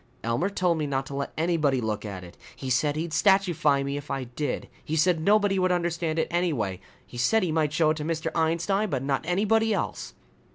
"Elmer told me not to let anybody look at it. He said he'd statuefy me if I did. He said nobody would understand it anyway. He said he might show it to Mr. Einstein, but not anybody else."